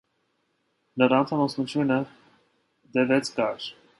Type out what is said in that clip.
Նրանց ամուսնությունը տևեց կարճ։